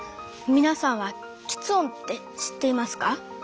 皆さんはきつ音って知っていますか？